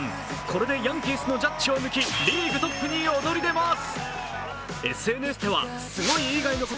これでヤンキースのジャッジを抜き、リーグトップに躍り出ます！